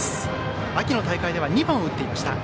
秋の大会では２番を打っていました。